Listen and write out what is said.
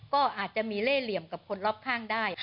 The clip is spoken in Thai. ก็อาจจะมีเล่เหลี่ยมกับคนรอบข้างได้